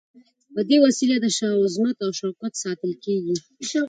په دې وسیله د شاه عظمت او شوکت ساتل کیږي.